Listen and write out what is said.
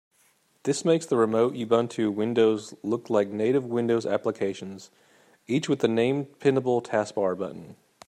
This makes the remote Ubuntu windows look like native Windows applications, each with a named pinnable taskbar button.